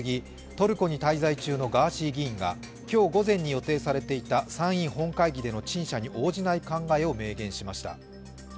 トルコに滞在中のガーシー議員が今日午前に予定されていた参院本会議での陳謝に応じない考えを明言しました。